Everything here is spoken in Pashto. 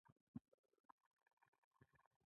داسې ښکارېده چې هغه د خپلې مور په فکر کې و